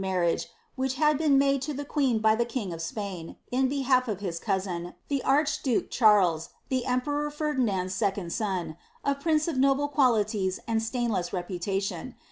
He then alludes to an overture of fiiarriage which had been made to the queen by the kitig of Spain, in behalf of his cousin, the archduke Charles, the emperor Ferdinand^s second son, a prince of noble qualities atid stainless reputation.